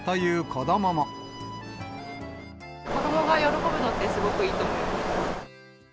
子どもが喜ぶので、すごくいいと思います。